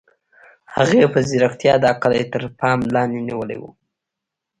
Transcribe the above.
هغې په ځیرتیا دا کلی تر پام لاندې نیولی و